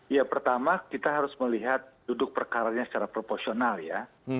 ya pertama kita harus melihat duduk perkaranya secara proporsional ya